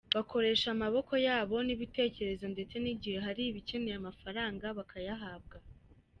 Bakoresha amaboko yabo n’ibitekerezo ndetse n’igihe hari ibikeneye amafaranga bakayahabwa.